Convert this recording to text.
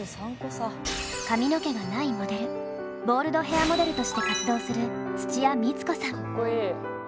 髪の毛がないモデルボールドヘアモデルとして活動するかっこいい。